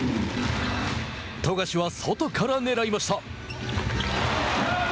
富樫は外から狙いました。